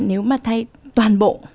nếu mà thay toàn bộ